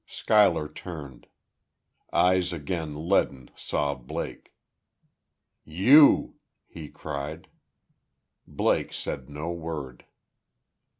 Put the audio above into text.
Schuyler turned. Eyes again leaden saw Blake. "You!" he cried. Blake said no word.